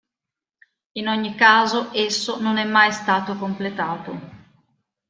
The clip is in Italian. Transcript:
In ogni caso, esso non è mai stato completato.